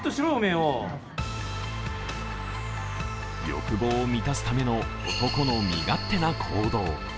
欲望を満たすための男の身勝手な行動。